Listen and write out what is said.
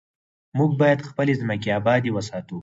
موږ باید خپلې ځمکې ابادې وساتو.